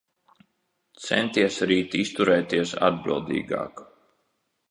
Centies rīt izturēties atbildīgāk.